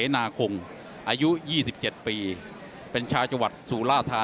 นักมวยจอมคำหวังเว่เลยนะครับ